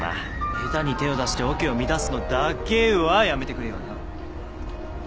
下手に手を出してオケを乱すのだけはやめてくれよな？